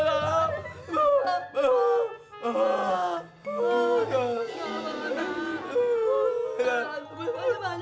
tuhan tuhan tuhan